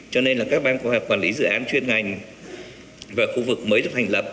cho nên là các ban quản lý dự án chuyên ngành và khu vực mới được thành lập